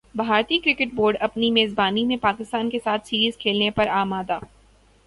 بھارتی cricket board اپنی میزبانی میں پاکستان کیساتھ سیریز کھیلنے پر مادہ